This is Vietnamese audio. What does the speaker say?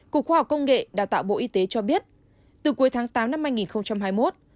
cục khoa học công nghệ đào tạo bộ y tế cho biết từ cuối tháng tám năm hai nghìn hai mươi một